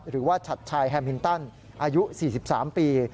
หรือว่าชัดชายแฮมินตันอายุ๔๓ปี